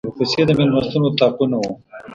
ورپسې د مېلمستون اطاقونه و.